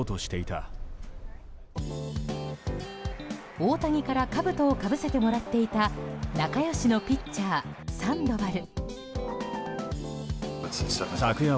大谷からかぶとをかぶせてもらっていた仲良しのピッチャーサンドバル。